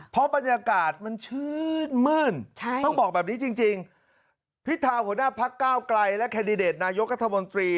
เพราะบรรยากาศมันชื่นมื้นต้องบอกแบบนี้จริงพิธาหัวหน้าพักก้าวไกลและแคนดิเดตนายกัธมนตรี